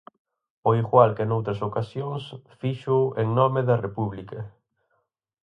Ao igual que noutras ocasións, fíxoo "en nome da República".